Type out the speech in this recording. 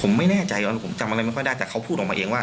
ผมไม่แน่ใจตอนนั้นผมจำอะไรไม่ค่อยได้แต่เขาพูดออกมาเองว่า